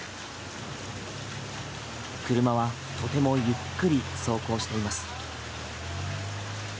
車はとてもゆっくり走行しています。